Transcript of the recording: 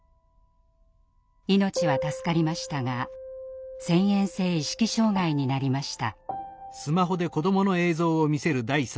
命は助かりましたが遷延性意識障害になりました。